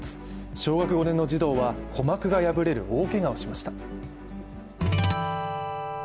小学５年の児童は鼓膜が破れる大けがをしました。